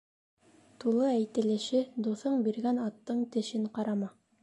Тулы әйтелеше: Дуҫың биргән аттың тешен ҡарама.